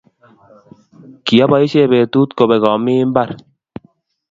kiapoisien petuu kobek omii mbar